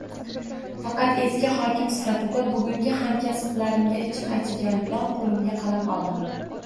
Faqat, eks-hokim sifatida, bugungi hamkasblarimga ichim achiganidan qo`limga qalam oldim